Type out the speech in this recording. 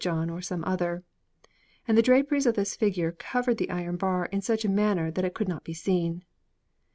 John, or some other and the draperies of this figure covered the iron bar in such a manner that it could not be seen.